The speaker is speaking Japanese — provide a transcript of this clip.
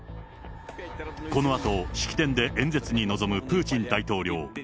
このあと、式典で演説に臨むプーチン大統領。